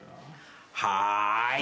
はい。